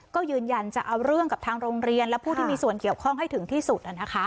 ก็ยืนยันจะเอาเรื่องกับทางโรงเรียนและผู้ที่มีส่วนเกี่ยวข้องให้ถึงที่สุด